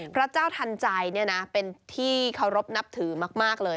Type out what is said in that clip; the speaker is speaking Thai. พระเจ้าทันใจเป็นที่เคารพนับถือมากเลย